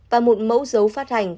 và một mẫu dấu phát hành